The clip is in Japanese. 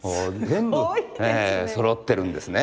全部そろってるんですね。